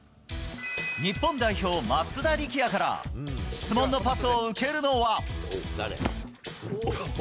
日本代表、松田力也から質問のパスを受けるのは。